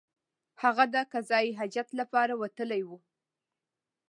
هغه د قضای حاجت لپاره وتلی وو.